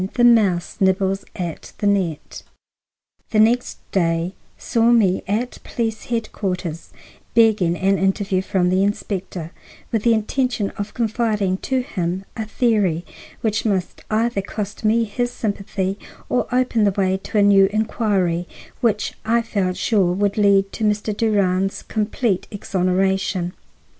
THE MOUSE NIBBLES AT THE NET The next day saw me at police headquarters begging an interview from the inspector, with the intention of confiding to him a theory which must either cost me his sympathy or open the way to a new inquiry, which I felt sure would lead to Mr. Durand's complete exoneration.